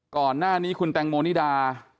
ก่อนหน้านี้คุณแตงโมนิดา